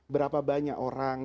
berapa banyak orang